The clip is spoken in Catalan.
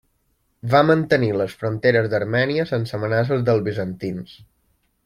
Va mantenir les fronteres d'Armènia sense amenaces dels bizantins.